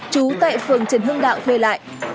trú tại phường trần hương đạo thuê lại